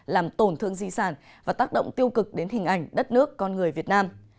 làm tổn thương di sản và tác động tiêu cực đến hình ảnh đất nước con người việt nam